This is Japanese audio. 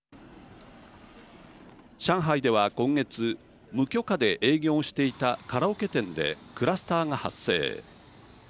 上海では、今月無許可で営業していたカラオケ店でクラスターが発生。